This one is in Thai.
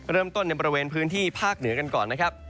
เริ่มต้นในบริเวณพื้นที่ภาคเหนือกันก่อนนะครับ